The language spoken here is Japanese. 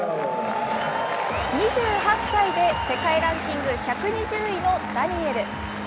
２８歳で世界ランキング１２０位のダニエル。